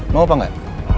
mau apa gak